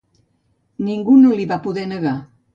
Ningú no l'hi va poder negar.